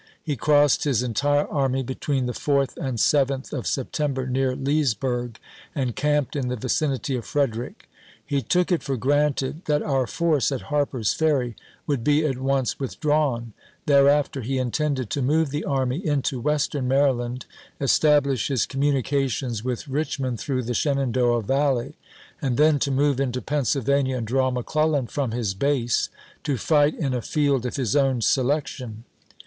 He crossed his entire army between the 4th and 7th of Septem 1862. ber near Leesburg, and camped in the vicinity of Frederick. He took it for granted that our force at Harper's Ferry would be at once withdrawn ; thereafter he intended to move the army into Western Maryland, establish his communications with Richmond through the Shenandoah Valley, and then to move into Pennsylvania and draw McClellan from his base to fight in a field of his own selection.